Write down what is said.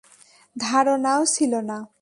ধারণাও ছিল না।